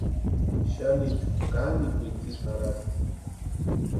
Xanichu kanikwa itsï jarhasti.